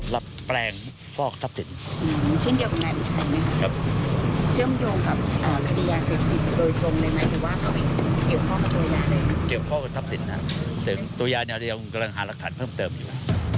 ว่าก็ต้องหารักษัตริย์เพิ่มเติมอยู่